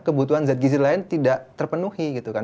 kebutuhan zat gizi lain tidak terpenuhi gitu kan